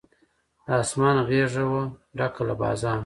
د آسمان غېږه وه ډکه له بازانو